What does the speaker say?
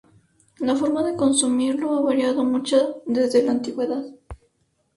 La forma de consumirlo ha variado mucho desde la antigüedad.